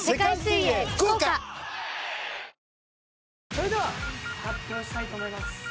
それでは発表したいと思います。